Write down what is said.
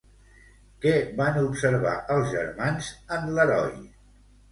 Què van observar els germans en l'heroi?